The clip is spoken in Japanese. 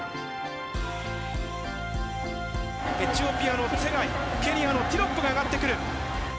エチオピアのツェガイ、ケニアのティロップが上がってくる。